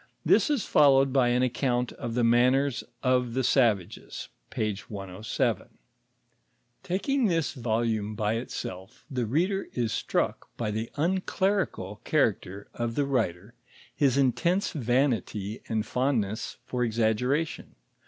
This is followed by an account of the manners of the savages (p. 107). Takiri^; this volume by itself, the render is struck by the unclerical character of the '^ ter, his intense vanity and fondness for exaggeration.